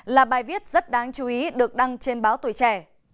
là bài viết rất đáng chú ý được đăng trên báo tuổi trẻ